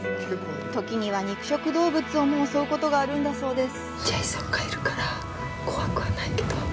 時には肉食動物をも襲うことがあるんだそうです。